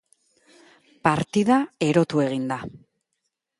Partida erotu egin da.